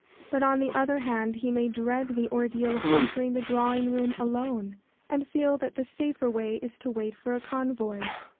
But on the other hand he may dread the ordeal of entering the drawing room alone, and feel that the safer way is to wait for a convoy.